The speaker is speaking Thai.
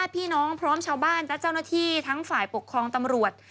พี่น้องพร้อมชาวบ้านและเจ้าหน้าที่ทั้งฝ่ายปกครองตำรวจ